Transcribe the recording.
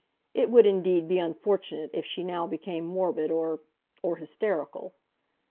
It would, indeed, be unfortunate if she now became morbid or—or hysterical.